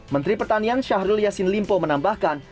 menteri pertanian syahrul yassin limpo menambahkan